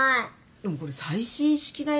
でもこれ最新式だよ。